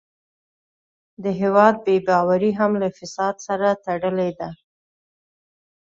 د هېواد بې باوري هم له فساد سره تړلې ده.